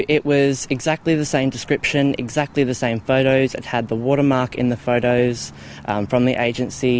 itu adalah deskripsi yang sama foto yang sama ada markas air di foto dari agensi